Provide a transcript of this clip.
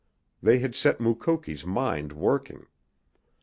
They had set Mukoki's mind working.